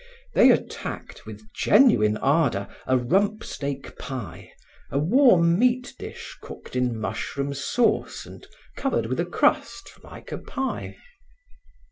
They attacked, with genuine ardor, a rumpsteak pie, a warm meat dish cooked in mushroom sauce and covered with a crust, like a pie.